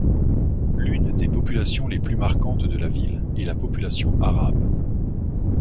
L'une des populations les plus marquantes de la ville est la population arabe.